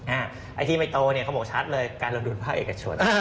อ่าไอ้ที่ไม่โตเขาบอกชัดเลยการเราดูนภาคเอกชน